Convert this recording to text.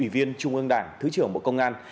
ủy viên trung ương đảng thứ trưởng bộ công an